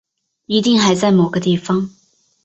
一定还在某个地方